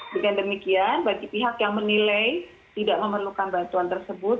bagaimana bagi pihak yang menilai tidak memerlukan bantuan tersebut